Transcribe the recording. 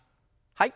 はい。